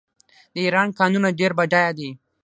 د ایران کانونه ډیر بډایه دي.